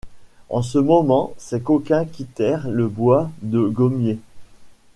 En ce moment, ces coquins quittèrent le bois de gommiers.